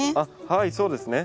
はいそうですね。